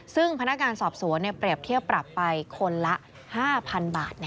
ซึ่งพนักงานสอบสวนเปรียบเทียบปรับไปคนละ๕๐๐๐บาท